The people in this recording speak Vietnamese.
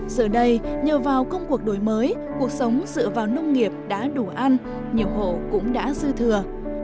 giờ đây nhờ vào công cuộc đổi mới cuộc sống dựa vào nông nghiệp đã đủ ăn nhiều hộ cũng đã dư thừa